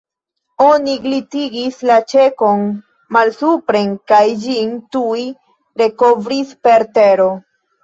Oni glitigis la ĉerkon malsupren kaj ĝin tuj rekovris per tero.